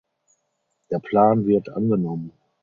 Der Plan wird angenommen.